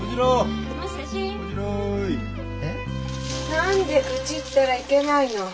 何で愚痴ったらいけないの？